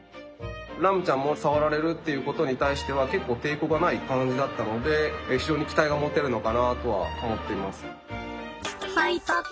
ラムちゃんも触られるっていうことに対しては結構抵抗がない感じだったので非常に期待が持てるのかなとは思っています。